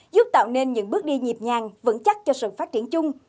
giúp tạo nên những bước đi nhịp nhàng vững chắc cho sự phát triển chung